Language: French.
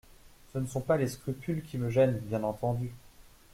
Ce ne sont pas les scrupules qui me gênent, bien entendu.